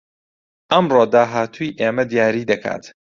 ئەمڕۆ داهاتووی ئێمە دیاری دەکات